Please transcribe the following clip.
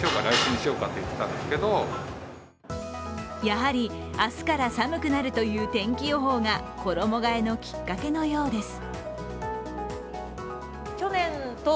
やはり明日から寒くなるという天気予報が衣がえのきっかけのようです。